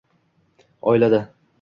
Oilada: